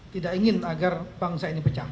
tidak ingin agar bangsa ini pecah